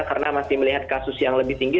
karena masih melihat kasus yang lebih tinggi